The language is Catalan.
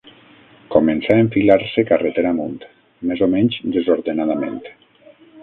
Començà a enfilar-se carretera amunt, més o menys desordenadament.